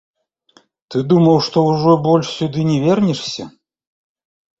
Ты думаў, што ўжо больш сюды не вернешся?